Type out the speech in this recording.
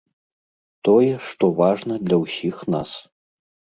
Тое, што важна для ўсіх нас.